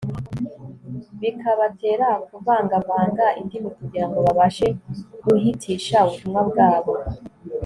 bikabatera kuvangavanga indimi kugira ngo babashe guhitisha ubutumwa bwabo